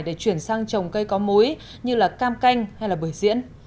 để chuyển sang trồng cây có mối như cam canh hay bưởi diễn